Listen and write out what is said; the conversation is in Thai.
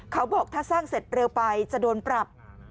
เขาบอกถ้าสร้างเสร็จเร็วไปจะโดนปรับ